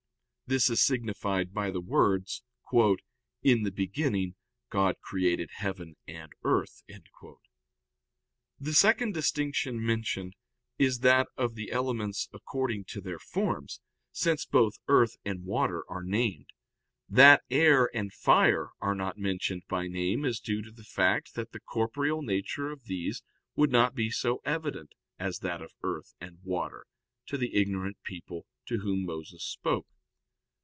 This is signified by the words, "In the beginning God created heaven and earth." The second distinction mentioned is that of the elements according to their forms, since both earth and water are named. That air and fire are not mentioned by name is due to the fact that the corporeal nature of these would not be so evident as that of earth and water, to the ignorant people to whom Moses spoke.